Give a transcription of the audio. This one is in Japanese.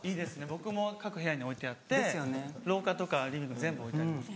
僕も各部屋に置いてあって廊下とかリビング全部置いてあります。